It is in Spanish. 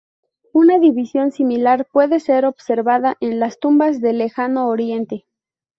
Una división similar puede ser observada en las tumbas del Lejano Oriente.